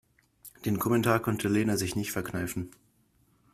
Den Kommentar konnte Lena sich nicht verkneifen.